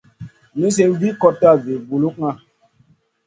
Nizi wi kotna vi bunukŋa.